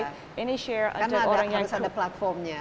kan harus ada platformnya